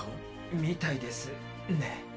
みたいですね。